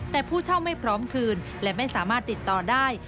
แต่ผู้เช่าไม่พร้อมคืนและไม่สามารถติดต่อได้